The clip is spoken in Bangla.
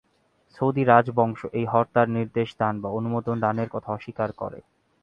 সৌদি রাজবংশ এই হত্যার নির্দেশ দান বা অনুমোদন দানের কথা অস্বীকার করে।